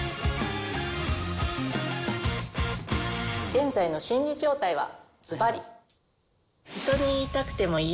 現在の心理状態はズバリ。